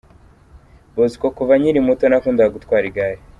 Bosco: Kuva nkiri muto nakundaga gutwara igare.